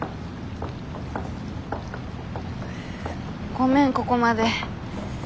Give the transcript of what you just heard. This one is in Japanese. ごめんここまで。